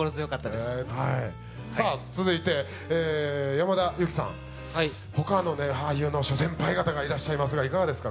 続いて山田裕貴さんほかの俳優の諸先輩方がいらっしゃいますがいかがですか？